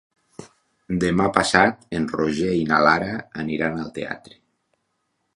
Demà passat en Roger i na Lara aniran al teatre.